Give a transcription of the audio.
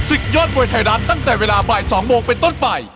ยอดมวยไทยรัฐตั้งแต่เวลาบ่าย๒โมงเป็นต้นไป